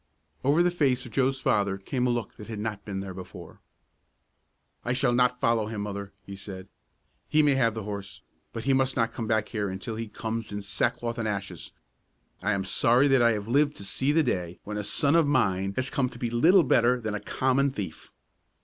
Over the face of Joe's father came a look that had not been there before. "I shall not follow him, Mother," he said. "He may have the horse, but he must not come back here until he comes in sackcloth and ashes. I am sorry that I have lived to see the day when a son of mine has come to be little better than a common thief."